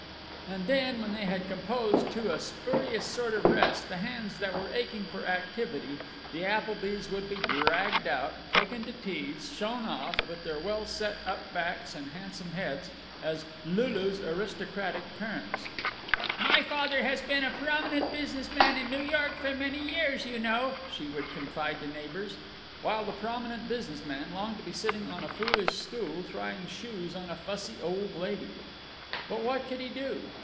And then, when they had composed to a spurious sort of rest the hands that were aching for activity, the Applebys would be dragged out, taken to teas, shown off, with their well set up backs and handsome heads, as Lulu's aristocratic parents. "My father has been a prominent business man in New York for many years, you know," she would confide to neighbors. While the prominent business man longed to be sitting on a foolish stool trying shoes on a fussy old lady. But what could he do?